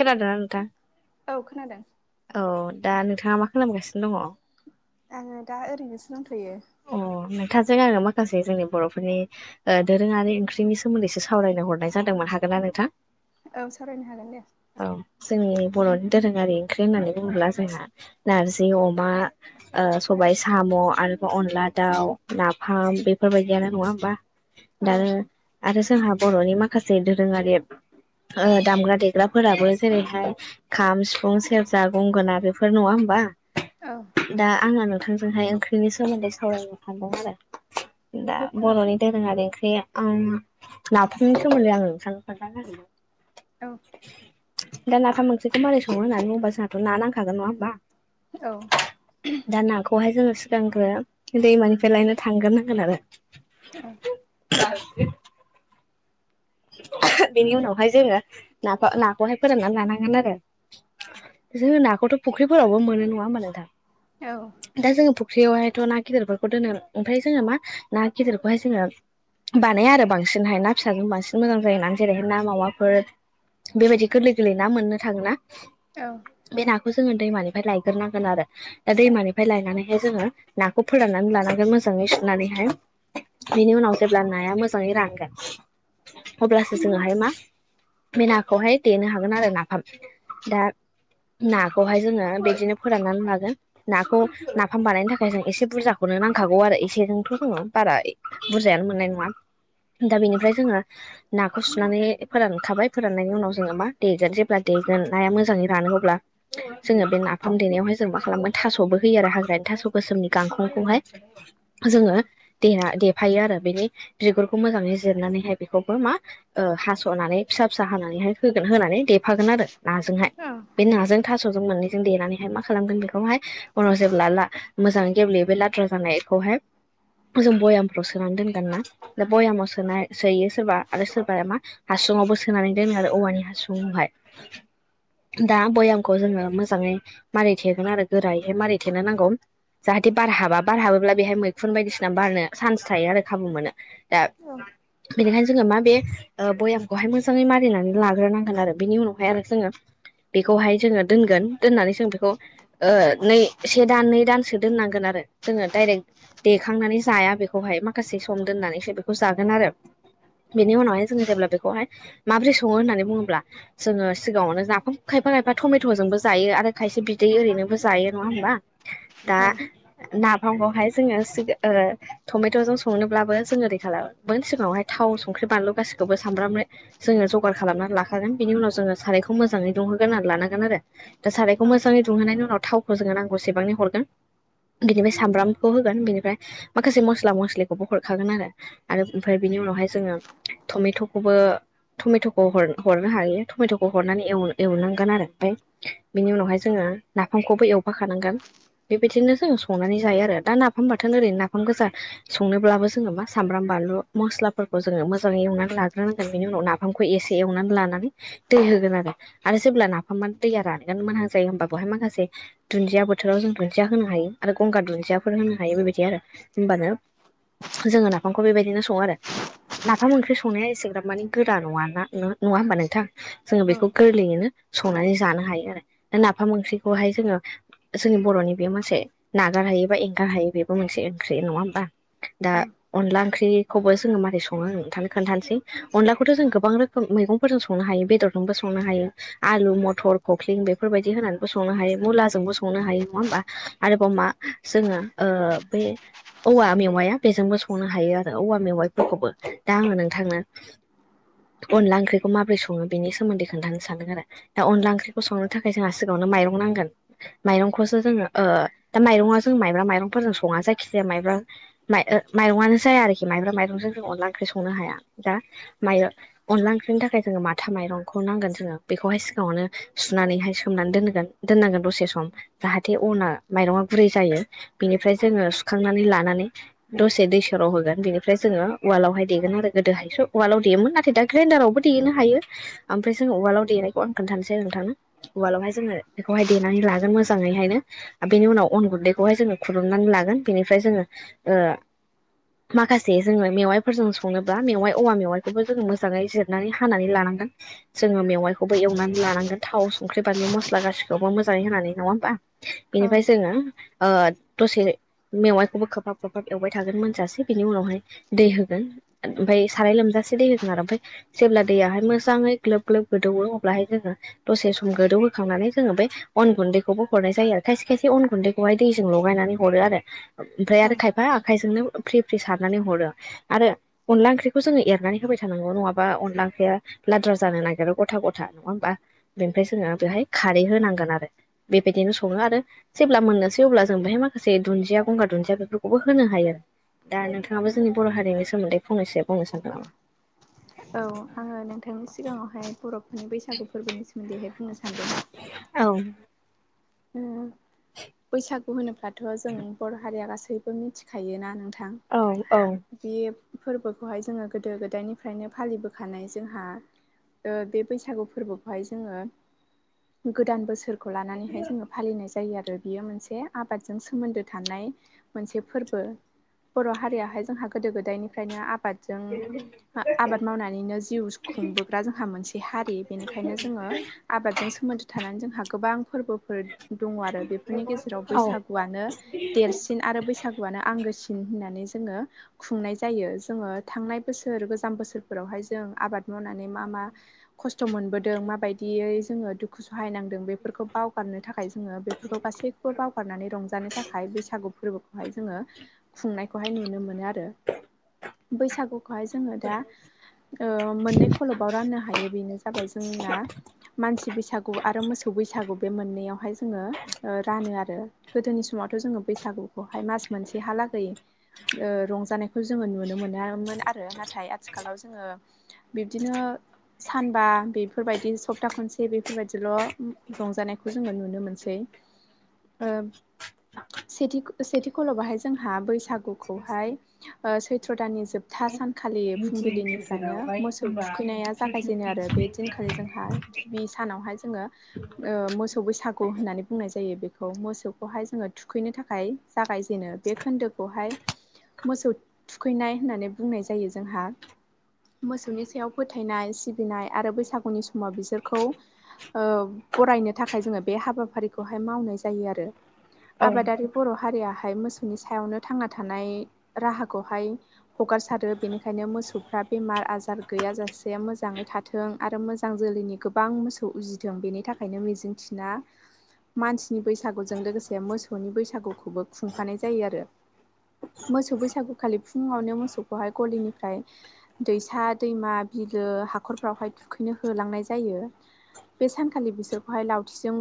खोनादोंना नोंथां? औ खोनादों औ दा नोंथाङा मा खालामगासिनो दङ आङो दा ओरैनोसो दंथ'यो अ नोंथांजों आङो माखासे जोंनि बर'फोरनि ओ दोरोङारि ओंख्रिनि सोमोन्दैसो सावरायनो हरनाय जादों मोन, हागोन ना नोंथां? औ सावरायनो हागोन दे। औ। जोंनि बर'नि दोरोङारि ओंख्रि होननानै बुङोब्ला जोंहा नारजि अमा ओ सबाय साम' आरोबाव अनला, दाउ, नाफाम बेफोरबायदियानो नङा होमबा? औ दानो आरो जोंहा बर'नि माखासे दोरोङारि ओ दामग्रा दे ग्राफोराबो जेरैहाय खाम, सिफुं, सेरजा, गंगोना बेफोर नङा होमबा? औ दा आङो नोंथांजोंहाय ओंख्रिनि सोमोन्दै सावरायनो सानदों आरो। दा औ बर'नि दोरोङारि ओंख्रि ओम नाफामनो सोमोन्दै आ नोंथांनो खोनथाग्रोनोसै। औ। दा नाफाम ओंख्रिखौ मारै सङो होननानै बुङोबा जोंहाथ' ना नांखागोन नङा होमबा? औ दा नाखौहाय जोङो सिगांग्रो दैमानिफ्राय लायनो थांग्रोनांगोन आरो। औ। [unintelligible] बेनि उनावहाय जोङो नाखौ-नाखौहाय फोराननानै लानांगोन आरो। जोङो नाखौथ' फुख्रिफोरावबो मोनो नङा होमबा नोंथां? औ दा जोङो फ ख्रियावहायथ' ना गिदिरफोरखौ दोनो। ओमफ्राय जोङो मा ना गिदिरखौहाय जोङो बानाया आरो बांसिनहाय ना फिसाजों बांसिन मोजां जायोना जेरैहाय ना मावाफोर बेबायदि गोरलै गोरलै ना मोननो थाङोना बे नाखौसो जोङो दैमानिफ्राय लायग्रोनांगोन आरो दा दैमानिफ्राय लायनानैहाय जोङो नाखौ फोराननानै लानांगोन मोजां ङै सुनानैहाय बिनि उनाव जेब्ला नाया मोजाङै रानगोन अब्लासो जोङोहाय मा बे नाखौहाय देनो हागोन आरो नाफाम। दा नाखौहाय जोङो बिदिनो फोराननानै लागोन। नाखौ नाफाम बानायनो थाखाय जों एसे बुरजाखौनो नो नांखागौ आरो एसेजोंथ' जोङो बारा ए बुरजायानो मोननाय नङा। दा बेनिफ्राय जोङो नाखौ सुनानै फोरानखाबाय फोराननायनि उनाव जो मा देगोन। जेब्ला देगोन नाया मोजाङै रानो अब्ला जोङो बे नाफाम देनायावहाय जों मा खालामगोन थास'बो होयो आरो हाग्रानि थास' गोसोमनि गांखंखौहाय जोङो देना देफायो आरो। बेनि बिगुरखौ मोजाङै जिरनानैहाय बेखौबो मा ओ हास'नानै फिसा फिसा हानानैहाय हो होनानै देफागोन आरो नाजोंहाय। बे नाजों थास'जों मोननै जों देनानैहाय मा खालामगोन बेखौहाय उनाव जेब्ला ला मोजाङै गेब्लेयो बे लाद्रा जानायखौहाय जों भयामफ्राव सोनानै दोनगोन ना। दा भयामाव सोना सोयो सोरबा आरो सोरबाया मा हासुुंआवबो सोनानै दोनो आरो औवानि हासुंआवहाय। दा भयामखौ जोङो मोजाङै मारै थेगोन आरो गोरायैहाय मारै थेनो नांगौ। जाहाथे बारहाबा बारहाबोब्ला बेहाय मैखुन बायदिसिना बारनो चान्स थायो आरो खाबु मोनो। दा बेनिखायनो जोङो मा बे ओ भयामखौहाय मोजाङै मारिनानै लाग्रोनांगोन आरो बेनि उनावहाय आरो जोङो बेखौहाय जोङो दोनगोन दोननानै जों बेखौ ओ नै से दानै दानसो दोननांगोन आरो जोङो डाइरेक्ट देखांनानै जाया बेखौहाय माखासे सम दोननानैसो बेखौ जा जागोन आरो। बेनि उनावहाय जोङो जेब्ला बेखौहाय माबोरै सङो होननानै बुङोब्ला जोङो सिगाङावनो नाफाम खायफा खायफा थमेथ' जोंबो जायो आरो खायसे बिदै ओरैनोबो जायो नङा होनबा? दा नाफ फामखौहाय जोङो सि ओ टमेट' जों संनोब्लाबो जोंङो ओरै खालामोन सिगाङावहाय थाव संख्रि बानलु गासैखौबो सामब्राम जोङो जगार खालामनानै लाखागोन बेनि उनाव जोङो सारायखौ मोजाङै दुं सुंहोगोन होननानै लानांगोन आरो दा सारायखौ मोजाङै दुंहोनायनि उनाव थावखौ जोङो नांगौसेबांनि हरगोन बिनिफ्राय सामब्रामखौ होगोन बेनिफ्राय माखासे मस्ला मस्लिखौबो हरखागोन आरो आरो ओमफ्राय बिनि उनावहाय जोङो टमेट'खौबो टमेट'खौ हरनो हायो टमेट'खौ हरनानै एवनांगोन आरो ओमफ्राय बिनि उनावहाय जोङो नाफामखौबो एवफाखानांगोन बेबायदिनो जोङो संनानै जायो आरो दा नाफाम बाथोन ओरैनो नाफाम गोजा संनोब्लाबो जोङो मा सामब्राम बानलु मस्लाफोरखौ जोङो मोजाङै एवनानै लाग्रोनांगोन बेनि उनाव नाफामखौ एसे एवनानै लानानै दै होगोन आरो आरो जेब्ला नाफामानो दैया रानगोननो मोनां जायो होमबा बेवहाय माखासे दुन्दिया बोथोराव जों दुन्दिया होनो हायो आरो गंगार दुन्दियाफोर होनो हायो बेबायदि आरो होनबानो जोङो नाफामखौ बे बायदि सङो आरो नाफाम ओंख्रि संनाया एसेग्राब माने गोरा नङा ना नङा होमबा नोंथां जोंङो बेखौ गोरलैयैनो संनानै जानो हायो आरो नाफाम ओंख्रिखौहाय जोङो जोंनि बर'नि बे मोनसे नागार हायोबा एंगार हायो बेबो मोनसे ओंख्रि नङा होनबा दा अनला ओंख्रि खौबो जोङो मारै सङो थानो खोनथानोसै अनदलाखौथ' जों गोबां रोखोम मैगंफोरजों संनो हायो बेदरजोंबो सङ संनो हायो आलु मथर खख्लिं बेफोरबायदि होनानैबो संनो हायो मुलाजोंबो संनो हायो नङा होमबा आरोबाव मा जोङो ओ बे औवा मेवाया बेजोंबो संनो हायो आरो औवा मेवाइफोरखौबो दा आङो नोंथांनो अनला ओंख्रिखौ माबोरै सङो बेनि सोमोन्दै खोन्थानो सानदों आरो दा अनला ओंख्रिखौ संनो थाखाय जोंहा सिगाङाव माइरं नांगोन माइरंखौसो जोङो ओ दा जोङो माइब्रा माइरं फोरजों सङा जायखि‌ जाया मा माइरंआनो जाया आरोखि मायब्रा माइरंजों जों अनला ओंख्रि संनो हाया दा माइ अनला ओंख्रिनि थाखाय जोङो माथा माइरंखौ बेखौहाय सिगाङावनो सुनानैहाय सोमनानै दोनगोन दोननांगोन दसे सम जोङो जाहाते अन माइरंया गुरै जायो बेनिफ्राय जोङो सुखांनानै लानानै दसे दै सराव होगोन बेनिफ्राय जोङो उवालावहाय देगोन आरो गोदोहाय उवालाव देयोमोन नाथाय दा ग्रेइडारावबो देनो हायो ओमफ्राय जों उवालाव देनायखौ आं खोन्थानोसै आरो नोंथांनो उवालावहाय जोङो बेखौहाय देनानै लागोन मोजाङैहायनो बेनि उनाव अन गुन्दैखौहाय जोङो खुरननानै लागोन बेनिफ्राय जोङो माखासे जोङो मेवाइफोरजों सङोबा मेवाइ औवा मेवाइखौबो जोंङो मोजाङै जिरनानै हानानै लानांगोन जोङो मेवाइखौबो एवनानै लानांगोन थाव संख्रि बानलु मस्ला गासिखौबो मोजाङै होनानै नङा होमबा बेनिफ्राय जोङो ओ दसे मेवाइखौबो खोबहाब खोबहाब एवबाय थागोन मोनजासिम निनि उनावहाय दै होगोन ओमफ्राय साराय लोमजासे दै होगोन आरो जेब्ला दैयाहाय मोजाङै ग्लोब ग्लोब गोदौयो अब्लाहाय जोङो दसे सम गोदौ होखांनानै जोङो बे अन गुन्दैखौबो हरनाय जायो खायसे खायसे अन गुन्दैखौहाय दैजों लगायनानै हरो आरो ओमफ्राय औ आरो खायफा आखायजोंनो फ्रि फ्रि सारनानै हरो आरो अनला ओंख्रिखौ जोङो एरनानै होबाय थानांगौ नङाबा अनला ओंख्रिया लाद्रा जानो नागिरो गथा गथा नङा होमबा बेनिफ्राय जोङो बेहाय खारै होनांगोन आरो बेबायदिनो सङो आरो जेब्ला मोननोसै अब्ला जों बेहाय माखासे दुन्दिया गंगार दुन्दिया बेफोरखौबो होनो हायो दा नोंथाङाबो जोंनि बर' हारिनि सोमोन्दै फंनैसो बुंनो सानगोन नामा औ आङो नोंथांनि सिगाङावहाय बरफोरनि बैसागु फोरबोनि सोमोन्दैहाय बुंनो सानदों औ ओ बैसागु होनोब्लाथ' जों बर' हारिया मिथिखायोना नोंथां औ औ बे फोरबोखौहाय जोङो गोदो गोदायनिफ्रायनो फालिबोखानाय जोंहा बे बैसागु फोरबोखौहाय जोङो गोदान बोसोर खौ लानानैहाय जोङो फालिनाय जायो आरो बियो मोनसे आबादजों सोमोन्दो थानाय मोनसे फोरबो बर' हारियाहाय जोंहा गोदो गोदायनिफ्रायनो आबादजों आबाद मावनानैनो जिउ खुंबोग्रा जोंहा मोनसे हारि बेनिखायनो जोङो आबादजों सोमोन्दो थानानै जोंहा गोबां फोरबोफोर दङ आरो बे फोरनि गेजेराव औ बैसागुआनो देरसिन आरो बैसागुआनो आंगोसिन होननानै ज जोङो खुंनाय जायो जोङो थांनाय बोसोर गोजाम बोसोरफोरावहाय जों आबाद मावनानै मा मा खस्थ' मोनबोदों माबायदियै जोङो दुखु सहायनांदों बेफोरखौ बावगार बेनि थाखाय जोङो बे फोर गासैखौबो बावगारनानै रंजानो थाखाय बैसागु फोरबोखौहाय जोङो खुंनाय खौहाय नुनो मोनो आरो। बैसागुखौहाय जोङो दा ओ मोननै खलबाव राननो हायो। बेनो जाबाय जोंना मानसि बैस सागु आरो मोसौ बैसागु बे मोननैयावहाय जोङो रानो आरो गोदोनि समावथ' जोङो बैसागुखौहाय मास मोनसे हालागै ओ रंजानायखौ जोङो नुनो मोनामोन आरो। नाथाय आथिखालाव जोङो बिब्दिनो सानबा बेफोरबायदि सप्ता खनसे बेफोरबायदिल' रंजानायखौ जोङो नुनो मोनसै। ओ सेथि सेथि खलबाहाय जोंहा बैसागुखौहाय ओ सैथ्र' दाननि जोबथा सान खालि फुंबिलिनिफ्रायनो मोसौ थुखैनाया जागायजेनो आरो बे दिनखालि जोंहा गिबि सानावहाय जोङो ओ मोसौ बैसागु होननानै बुंनाय जायो। बेखौ मोसौखौहाय जोङो थुखैनो थाखाय जागायजेनो बे खोन्दोखौहाय मोसौ थुखैनाय होननानै बुंनाय जायो जोंहा। मोसौनि सायाव फोथायनाय सिबिनाय आरो बैसागुनि समाव बिसोरखौ औ बरायनो थाखाय जोङो बे हाबाफारि खौहाय मावनाय जायो आरो। आबादारि बर' हारियाहाय मोसौनि सायावनो थांना थानाय राहाखौहाय हगारसारो। बेनिखायनो मोसौफ्रा बेमार आजार गैयाजासे मोजांङै थाथों आरो मोजां जोलैनि गोबां मोसौ उजि जों बेनि थाखायनो मिजिंथिना मानसिनि बैसागुजों लोगोसे मोसौनि बैसागुखौबो खुंफानाय जायो आरो। मोसौ बैसागुखालि फुंआवनो मोसौखौहाय गलिनिफ्राय दैसा दैमा बिलो हाखरफ्रावहाय थुखैनो होलांनाय जायो। बे सानखालि बिसोरखौहाय लावथिजों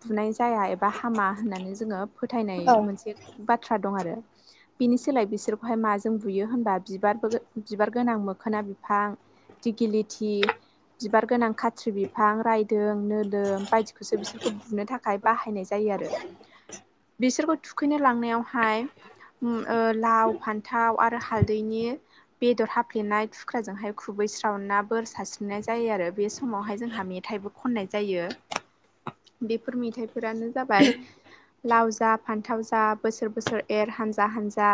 बुनाय जाया एबा हामा होननानै जोङो फोथायनाय मोनसे बाथ्रा थ्रा दं आरो बिनि सोलाय बिसोरखौहाय माजों बुयो होनबा बिबार बिबार गोनां मोखोना बिफां दिगि लिथि बिबार गोनां खाथ्रि बिफां रायदों नोलोम बायदिखौसो बिसोरखौ बु बुनो थाखाय बाहायनाय जायो आरो। बिसोरखौ थुखैनो लांनायावहाय ओम ओ लाव फान्थाव आरो हालदैनि बेदर हाफ्लेनाय थुख्राजोंहाय खुबैस्रावना बोर सारस्रिनाय जायो आरो बे समावहाय जोंहा मे थाइबो खननाय जायो। [inaudible] बेफोर मेथायाइफोरानो जाबाय लाव जा फान्थाव जा बोसोर बोसोर एर हान्जा हान्जा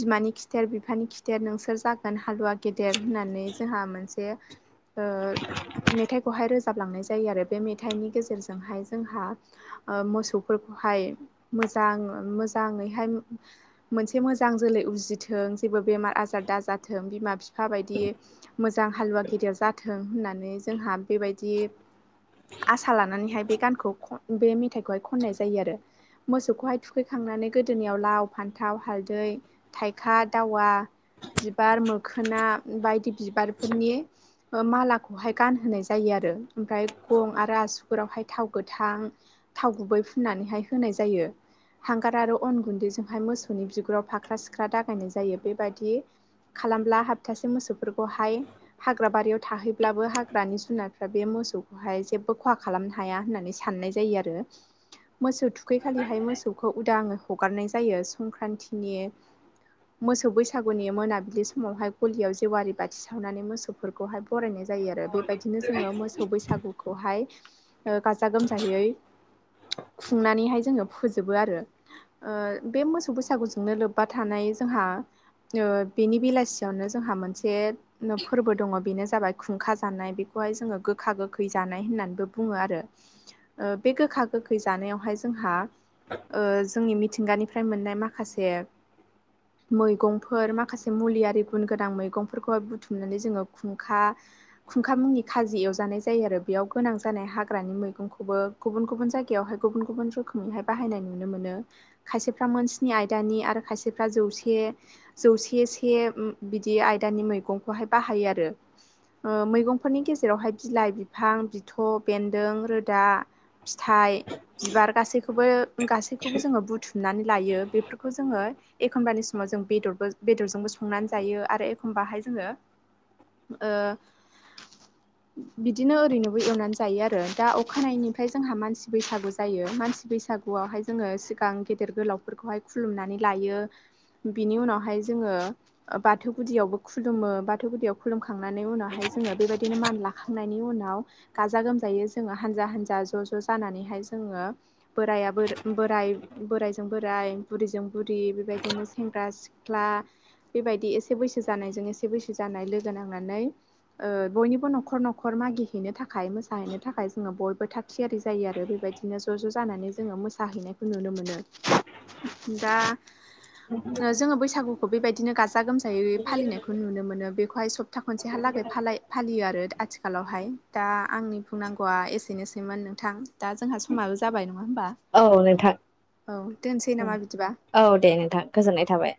बिमानि खिथेर बिफानि खिथेर नोंसोर जागोन हालुवा गेदेर होननानै जोंहा हा मोनसे ओ मेथाइखौहाय रोजाबलांनाय जायो आरो। बे मेथाइनि गेजेरजों जोंहाय जोंहा ओ मोसौफोरखौहाय मोजां मोजाङैहाय मोनसे मोजां जोलै उजिथों जेबो बेमार आजार दाजाथों बिमा-बिफा बायदि मोजां हालुवा गेदेर जाथों होननानै जोंहा बेबायदि आसा लानानै बे गानखौ खन बे मेथाइखौहाय खननाय जायो आरो। मोसौखौहाय थुखैखांनानै गोदोनियाव लाव फान्थाव हालदै थाइखा दावा बिबार मोखोना बायदि बिबारफोरनि ओ मालाखौहाय गानहोनाय जायो आर रो। ओमफ्राय गं आरो आसुगुरावहाय थाव गोथां थाव गुवै फुननानैहाय होनाय जायो। हांगार आरो अन गुन्दैजोंहाय मोसौनि बिगुराव फाख्रा सिख्रा दागायनाय जायो बेबायदि खालामब्ला हप्तासे मोसौफोरखौहाय हाग्रा बारियाव थाहैब्लाबो हाग्रानि जुनारफ्रा बे मो मोसौखौहाय जेबो खहा खालामनो हाया होननानै साननाय जायो आरो। मोसौ थुखैखालिहाय मोसौखौ उदां हगारनाय जायो संक्रान्तिनि मोसौ बैसागुनि मोनाबिलि समावहाय गलियाव जेवारि बाथि सावनानै मोसौफोरखौहाय बरायनाय जायो आरो। बेबायदिनो जोंङो मोसौ बैसागुखौहाय गाजा गोमजायै खुंनानैहाय जोंङो फोजोबो आरो ओ बे मोसौ बैसागुजोंनो लोब्बा थानाय जोंहा ओ बेनि बेलासियावनो जोंहा मोनसे फोरबो दंङो। बेनो जाबाय खुंखा जानाय बे - खौहाय जोंङो गोखा गोखै जानाय होननानैबो बुंङो आरो ओ बे गोखा गोखै जानायावहाय जोंहा ओ जोंनि मिथिंगानिफ्राय मोननाय माखासे मैगंफोर माखासे मुलियि गुन गोनां मैगंफोरखौहाय बुथुमनानै जोंङो खुंखा खुंखा मुंनि खाजि एवजानाय जायो आरो बेयाव गोनां जानाय हाग्रानि मैगंखौबो गुबुन गुबुन जायगायावहाय गुबुन गुबुन रोखोमैहाय बाहायनाय नुनो मोनो। खायसेफ्रा मोन स्नि आयदानि आरो खायसेफ्रा जौसे जौसे से बिदि आयदा बि दानि मैगंखौहाय बाहायो आरो मैगंफोरनि गेजेरावहाय बिलाइ बिफां थ' बेन्दों रोदा फिथाइ बिबार गासैखौबो गासैखौबो जोंङो बुथुम नानै लायो बेफोरखौ जोंङो एखमबानि समाव जों बेद बेरजोंबो संनानै जायो आरो एखमब बाहाय जों ओ बिदिनो ओरैनो दै एवनानै जायो आरो दा अखानायनिफ्राय जोंहा मानसि बैसागु जायो मानसि बैसागुआवहाय जोंङो सिगां गेदेर गोलावफोरखौहाय खुलुमनानै लायो। बिनि उनावहाय जोंङो बाथौ गुदियावबो खुलुमो बाथौ गुदियाव खुलुमख खांनायनि उनावहाय जोंङो बेबायदिनो मान लाखांनायनि उनाव गाजा गोमजायै जोंङो हानजा हानजा ज' ज' जानानैहाय जोंङो बोराइ बोराय बोरायजों बोराइ बुरिजों बुरि बेबायदिनो सेंग्रा सिख्ला बेबायदि एसे बैसो जानायजों एसे बैसो जानाय लोगो नांनानै ओ बयनिबो न'खर न'खर मागिहैनो थाखाय हाय मोसाहैनो थाखाय जोंङो बयबो थाग थियारि जायो आरो बेबायदिनो ज' ज' जानानै जोंङो मोसाहैनायखौ नुनो मोनो। मोनो दा जोंङो बैसागुखौ बेबायदिनो गाजा गोमजायै फालिनायखौ नुनो मोनो बेखौहाय सब था खनसेहालागै फालियो आरो आथिखालावहाय। दा आंनि बुंनांगौआ एसेनोसैमोन नोंथां दा जोंहा समायाबो जाबाय। होमबा औ नोंथां औ दोनसै नामा बिदि औ दे नोंथां गोजोननाय थाबाय।